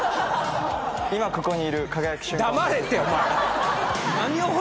今ここにいる輝く瞬間。